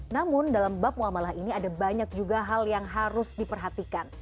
namun dalam bab muamalah ini ada banyak juga hal yang harus diperhatikan